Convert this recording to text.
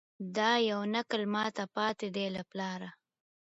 دا یو نکل ماته پاته دی له پلاره